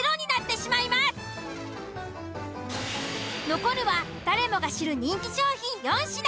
残るは誰もが知る人気商品４品。